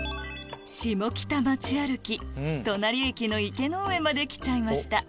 シモキタ街歩き隣駅の池ノ上まで来ちゃいました